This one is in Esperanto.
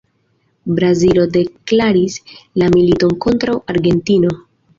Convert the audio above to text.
Brazilo deklaris la militon kontraŭ Argentino.